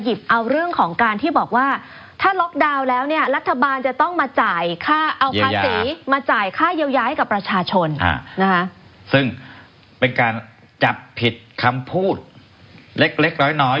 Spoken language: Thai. แล้วย้ายกับประชาชนนะฮะซึ่งเป็นการจับผิดคำพูดเล็กเล็กร้อยน้อย